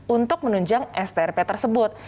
untuk menunjang strp tersebut